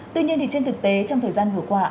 tuy nhiên thì trên thực tế trong thời gian vừa qua